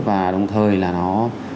và đồng thời là nó